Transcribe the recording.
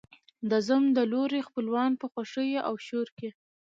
د زوم د لوري خپلوان په خوښیو او شور کې